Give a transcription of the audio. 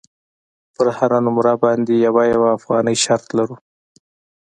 پر هره نمره باندې یوه یوه افغانۍ شرط لرو.